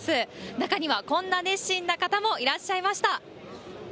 中にはこんな熱心な方もいらっしゃいました。